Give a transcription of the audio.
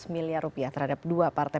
lima ratus miliar rupiah terhadap dua partai